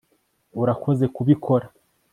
urakoze kubikora